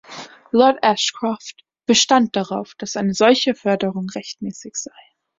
Lord Ashcroft bestand darauf, dass eine solche Förderung rechtmäßig sei.